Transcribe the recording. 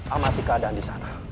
amati keadaan disana